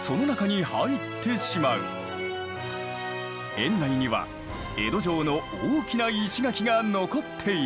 園内には江戸城の大きな石垣が残っている。